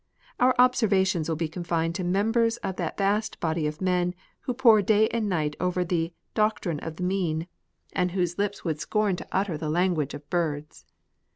Our observations will be confined to members of that vast body of men who pore day and night over the *' Doctrine of the Mean," i6 ETIQUETTE. and whose lips would scorn to utter the language of birds.